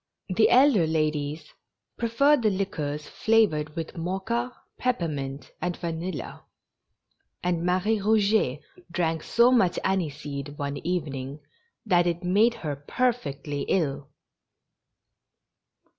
The elder ladies preferred the liquors flavored with mocha, peppermint, and vanilla; and Marie Eouget drank so much aniseed one evening that it made her perfectly ill.